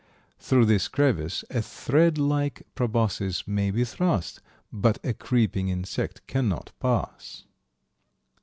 Through this crevice a thread like proboscis may be thrust, but a creeping insect cannot pass.